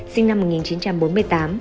sinh năm một nghìn chín trăm bốn mươi tám